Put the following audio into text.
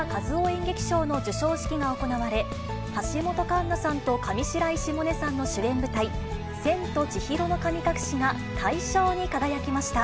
演劇賞の授賞式が行われ、橋本環奈さんと上白石萌音さんの主演舞台、千と千尋の神隠しが大賞に輝きました。